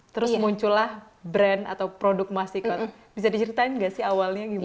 terus muncullah brand atau produk masikot bisa diceritain gak sih awalnya gimana